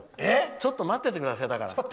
ちょっと待っててください。